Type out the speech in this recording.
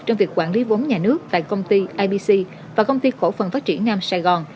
trong việc quản lý vốn nhà nước tại công ty ibc và công ty cổ phần phát triển nam sài gòn